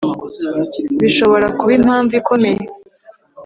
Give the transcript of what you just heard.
bishobora kuba impamvu ikomeye